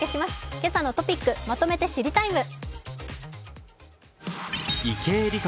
「けさのトピックまとめて知りＴＩＭＥ，」。